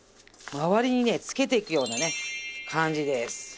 周りにねつけていくようなね感じです。